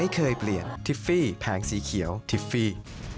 ทิฟฟี่แผงสีเขียวทิฟฟี่